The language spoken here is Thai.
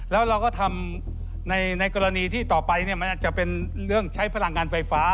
แล้วเราก็ทำในกรณีที่ต่อไปมันอาจจะเป็นเรื่องใช้พลังงานไฟฟ้า